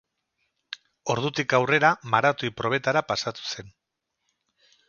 Ordutik aurrera, maratoi-probetara pasatu zen.